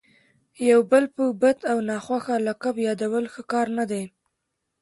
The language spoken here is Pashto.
یو بل په بد او ناخوښه لقب یادول ښه کار نه دئ.